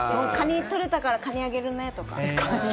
取れたからカニあげるねとか。